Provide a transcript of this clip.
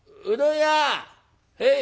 「へい。